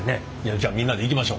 じゃあみんなでいきましょう。